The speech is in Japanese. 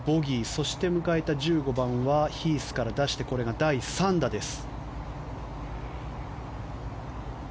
そして、迎えた１５番はヒースから出して第３打です。